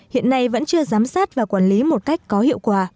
hiện nay vẫn chưa giám sát và quản lý một cách có hiệu quả